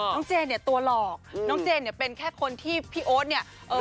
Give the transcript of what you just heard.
เจนเนี่ยตัวหลอกน้องเจนเนี่ยเป็นแค่คนที่พี่โอ๊ตเนี่ย